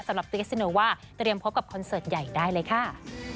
สำหรับตรีเกษตรีเนอร์ว่าเตรียมพบกับคอนเซิร์ตใหญ่ได้เลยค่ะ